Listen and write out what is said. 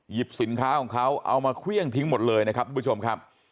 สินค้าของเขาเอามาเครื่องทิ้งหมดเลยนะครับทุกผู้ชมครับ